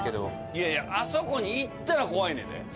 いやいやあそこに行ったら怖いねんで。